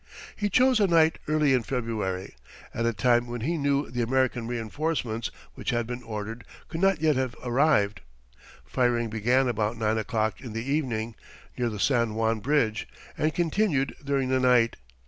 He chose a night early in February, at a time when he knew the American reinforcements which had been ordered could not yet have arrived. Firing began about nine o'clock in the evening, near the San Juan bridge, and continued during the night.